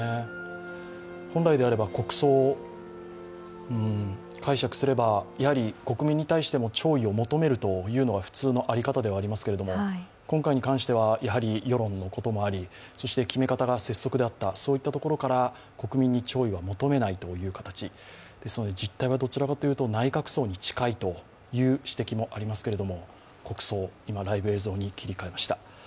本来であれば国葬、解釈すれば、やはり国民に対しても弔意を求めるのが普通の在り方ではありますけれど今回に関しては、世論のこともあり、そして決め方が拙速であった、そういったところから国民に弔意は求めないという形、ですので実態はどちらかというと内閣葬に近いという指摘もありますけれども国葬、今、ライブ映像に切り替えました。